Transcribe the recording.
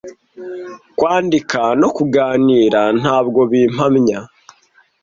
Kwandika no kuganira ntabwo bimpamya,